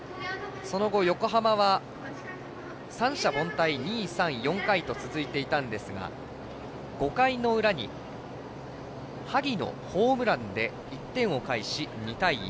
その後、横浜は三者凡退２、３、４回と続いていたんですが、５回の裏に萩のホームランで１点を返し、２対１。